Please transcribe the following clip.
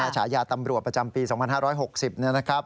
ฉายาตำรวจประจำปี๒๕๖๐นะครับ